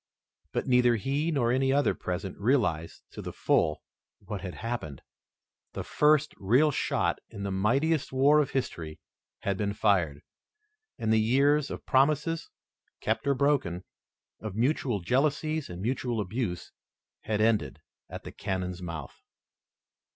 But neither he nor any other present realized to the full what had happened. The first real shot in the mightiest war of history had been fired, and the years of promises, kept or broken, of mutual jealousies and mutual abuse had ended at the cannon's mouth.